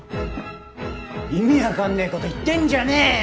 意味わかんねえこと言ってんじゃねえよ！